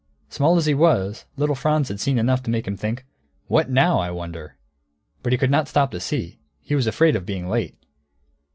Small as he was, little Franz had seen enough to make him think, "What now, I wonder?" But he could not stop to see; he was afraid of being late.